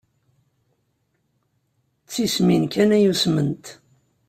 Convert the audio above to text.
D tismin kan ay usment.